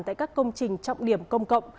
tại các công trình trọng điểm công cộng